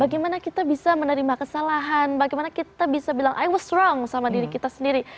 bagaimana kita bisa menerima kesalahan bagaimana kita bisa bilang i worst wrong sama diri kita sendiri